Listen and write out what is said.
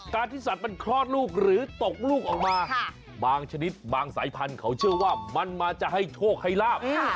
ที่สัตว์มันคลอดลูกหรือตกลูกออกมาบางชนิดบางสายพันธุ์เขาเชื่อว่ามันมาจะให้โชคให้ลาบ